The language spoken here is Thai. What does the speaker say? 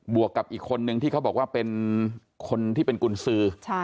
วกกับอีกคนนึงที่เขาบอกว่าเป็นคนที่เป็นกุญสือ